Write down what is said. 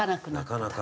なかなか。